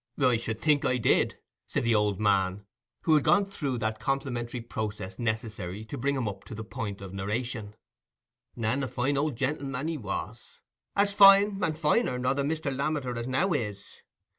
"I should think I did," said the old man, who had now gone through that complimentary process necessary to bring him up to the point of narration; "and a fine old gentleman he was—as fine, and finer nor the Mr. Lammeter as now is.